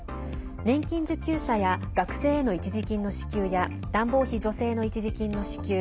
年金受給者や学生への一時金の支給や暖房費助成の一時金の支給